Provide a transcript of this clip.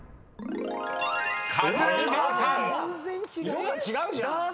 色が違うじゃん！